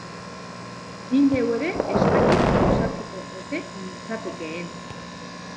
Ni neu ere ez dakit ausartuko ote nintzatekeen.